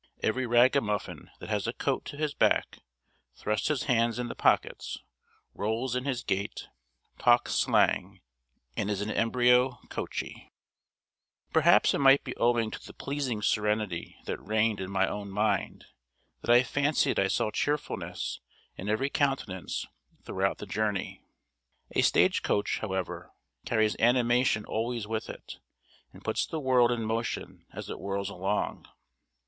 Every ragamuffin that has a coat to his back thrusts his hands in the pockets, rolls in his gait, talks slang, and is an embryo Coachey. Perhaps it might be owing to the pleasing serenity that reigned in my own mind, that I fancied I saw cheerfulness in every countenance throughout the journey. A stage coach, however, carries animation always with it, and puts the world in motion as it whirls along.